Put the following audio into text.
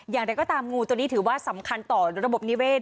อย่างไรก็ตามงูตัวนี้ถือว่าสำคัญต่อระบบนิเวศ